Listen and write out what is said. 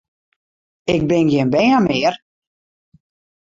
Ik bin gjin bern mear!